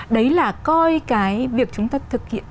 đấy là coi cái việc chúng ta thực hiện